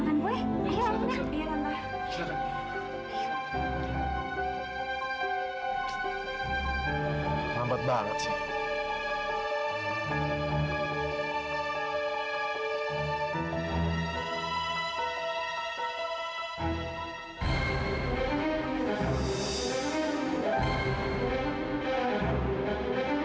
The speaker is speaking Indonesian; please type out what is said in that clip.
alena boleh ikut nyambut kedatangannya tovan kan